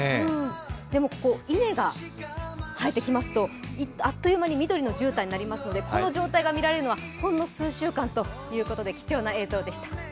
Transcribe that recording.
でも、稲が生えてきますとあっという間に緑のじゅうたんになりますので、この状態が見られるのはほんの数週間ということで貴重な映像でした。